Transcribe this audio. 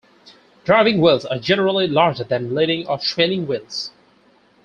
Driving wheels are generally larger than leading or trailing wheels.